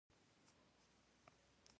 تاجکان درڅخه هېر دي.